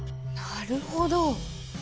なるほど！